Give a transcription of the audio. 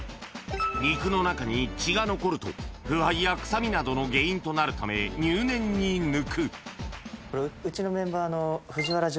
肉の中に血が残ると腐敗や臭みなどの原因となるため入念に抜くうちのメンバーの。